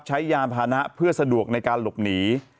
ยานพานะเพื่อสะดวกในการหลบหนี